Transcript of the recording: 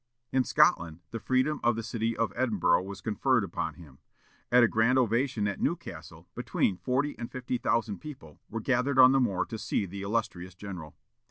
In Scotland, the freedom of the city of Edinburgh was conferred upon him. At a grand ovation at Newcastle, between forty and fifty thousand people were gathered on the moor to see the illustrious general.